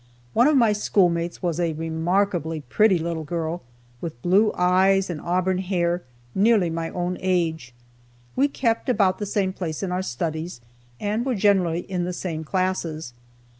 One of my schoolmates was a remarkably pretty little girl, with blue eyes and auburn hair, nearly my own age. We kept about the same place in our studies, and were generally in the same classes.